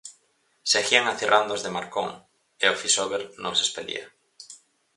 Seguían acirrando as de Marcón e o Fisober non se espelía.